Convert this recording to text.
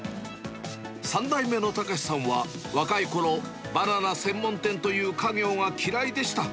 ３代目の隆史さんは、若いころ、バナナ専門店という家業が嫌いでした。